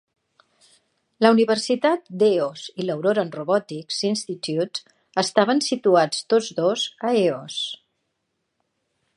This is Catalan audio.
La Universitat d'Eos i l'Auroran Robotics Institute estaven situats tots dos a Eos.